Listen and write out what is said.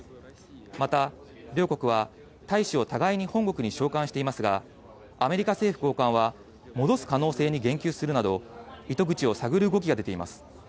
また、両国は大使を互いに本国に召喚していますが、アメリカ政府高官は、戻す可能性に言及するなど、糸口を探る動きが出ています。